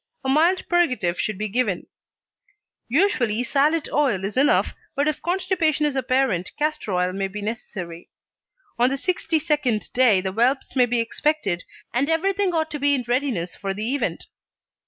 A mild purgative should be given; usually salad oil is enough, but if constipation is apparent castor oil may be necessary. On the sixty second day the whelps may be expected, and everything ought to be in readiness for the event.